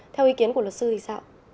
theo ý kiến của luật sư thì sao